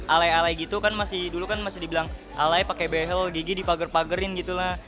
alay alay gitu kan masih dulu kan masih dibilang alay pake behel gigi dipager pagerin gitu lah